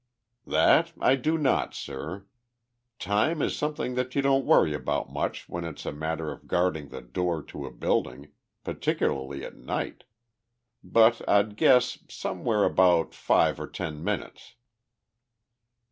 "That I do not, sir. Time is something that you don't worry about much when it's a matter of guarding the door to a building particularly at night. But I'd guess somewhere about five or ten minutes?"